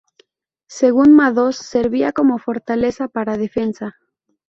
Según Madoz, servía como fortaleza para defensa.